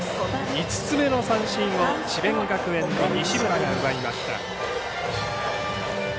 ５つ目の三振を智弁学園の西村が奪いました。